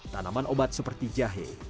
tanaman obat seperti jahe